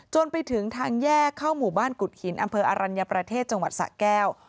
ไปถึงทางแยกเข้าหมู่บ้านกุฎหินอำเภออรัญญประเทศจังหวัดสะแก้ว